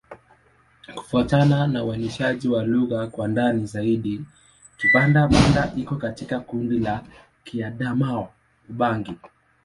Kufuatana na uainishaji wa lugha kwa ndani zaidi, Kibanda-Banda iko katika kundi la Kiadamawa-Ubangi.